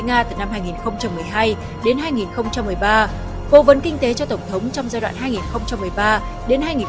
nga từ năm hai nghìn một mươi hai đến hai nghìn một mươi ba cố vấn kinh tế cho tổng thống trong giai đoạn hai nghìn một mươi ba đến hai nghìn một mươi